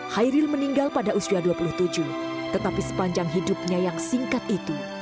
hairil meninggal pada usia dua puluh tujuh tetapi sepanjang hidupnya yang singkat itu